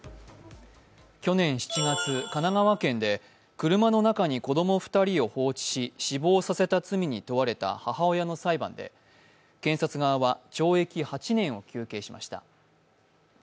去年７月、神奈川県で、車の中に子供２人を放置し、死亡させた罪に問われた母親の裁判で、検察側は懲役８年を求刑しました。